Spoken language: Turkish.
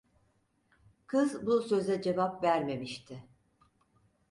Kız bu söze cevap vermemişti.